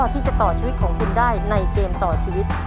ที่จะต่อชีวิตของคุณได้ในเกมต่อชีวิต